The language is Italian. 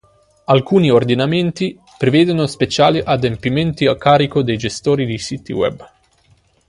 Alcuni ordinamenti prevedono speciali adempimenti a carico dei gestori di siti web.